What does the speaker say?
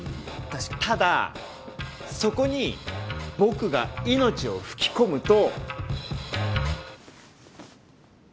ただそこに僕が命を吹き込むと。